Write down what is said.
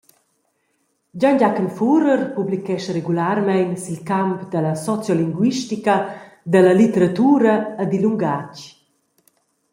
Gion-Giachen Furer publichescha regularmein sil camp dalla sociolinguistica, dalla litteratura e dil lungatg.